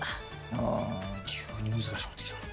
急に難しくなってきたな。